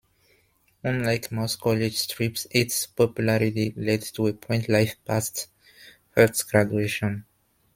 Unlike most college strips, its popularity led to a print life past Hurt's graduation.